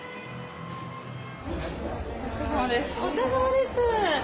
お疲れさまです。